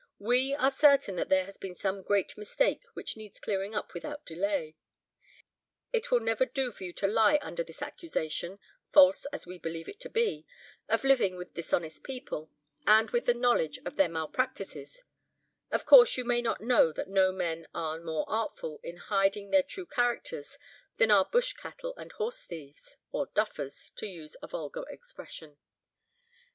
We are certain that there has been some great mistake which needs clearing up without delay. It will never do for you to lie under this accusation—false as we believe it to be—of living with dishonest people, and with the knowledge of their malpractices; of course, you may not know that no men are more artful in hiding their true characters than our bush cattle and horse thieves (or 'duffers') to use a vulgar expression.